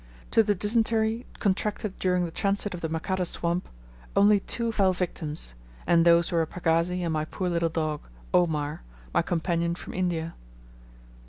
To the dysentery contracted during, the transit of the Makata swamp, only two fell victims, and those were a pagazi and my poor little dog "Omar," my companion from India.